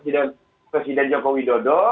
dan juga presiden jokowi dodo